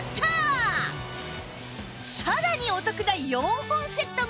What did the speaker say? さらにお得な４本セットもご用意！